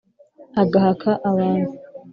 agahaka abantu!